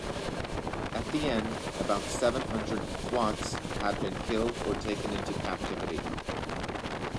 At the end, about seven hundred Pequots had been killed or taken into captivity.